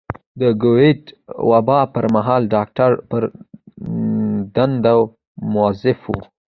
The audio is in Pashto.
د کوويډ وبا پر مهال ډاکټران پر دندو مؤظف وو.